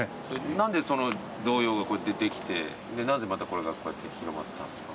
何で童謡ができてなぜまたこれがこうやって広まったんですか？